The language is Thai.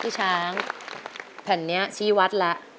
พี่ช้างแผ่นนี้ชี้วัดแล้ว